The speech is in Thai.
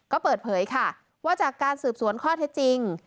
ก็เปิดเผยค่ะว่าจากการสืบสวนข้อเท็จจริง